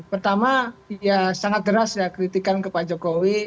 pertama ya sangat deras ya kritikan kepada jokowi